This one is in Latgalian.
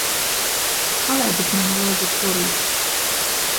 Palaidit mani, lyudzu, puorīt!